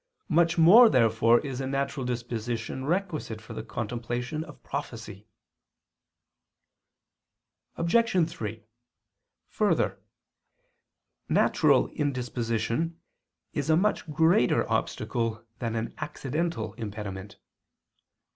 Much more therefore is a natural disposition requisite for the contemplation of prophecy. Obj. 3: Further, natural indisposition is a much greater obstacle than an accidental impediment.